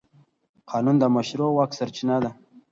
قانون د مشروع واک سرچینه ده.